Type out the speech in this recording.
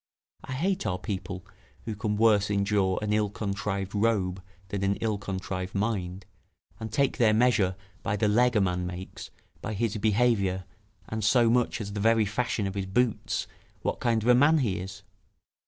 I hate our people, who can worse endure an ill contrived robe than an ill contrived mind, and take their measure by the leg a man makes, by his behaviour, and so much as the very fashion of his boots, what kind of man he is.